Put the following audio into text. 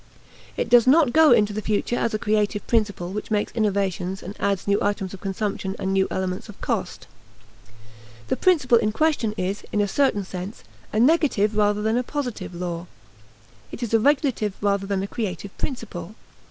It does not go into the future as a creative principle which makes innovations and adds new items of consumption and new elements of cost. The principle in question is, in a certain sense, a negative rather than a positive law. It is a regulative rather than a creative principle.